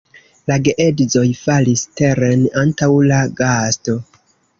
La geedzoj falis teren antaŭ la gasto.